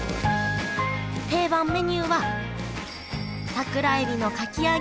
定番メニューは桜えびのかき揚げ！